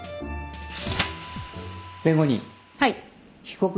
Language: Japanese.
弁護人。